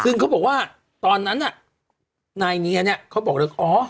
ซึ่งเขาบอกว่าตอนนั้นน่ะนายเนียเนี่ยเขาบอกเลยอ๋อ